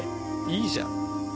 いいじゃん。